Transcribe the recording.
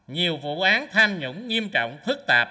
nhiều vụ án tham nhũng nghiêm trọng thức tạp